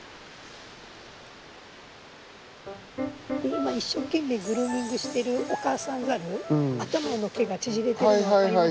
今一生懸命グルーミングしてるお母さんザル頭の毛が縮れてるの分かります？